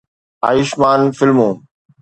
Ayushmann فلمون